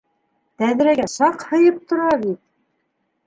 Тәҙрәгә саҡ һыйып тора бит!